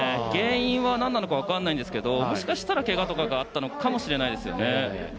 原因は何なのか分からないですがもしかしたら、けがとかがあったのかもしれないですね。